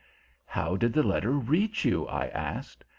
"How did the letter reach you?" I asked.